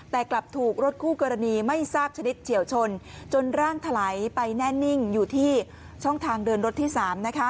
แต่กลับถูกรถคู่กรณีไม่ทราบชนิดเฉียวชนจนร่างถลายไปแน่นิ่งอยู่ที่ช่องทางเดินรถที่๓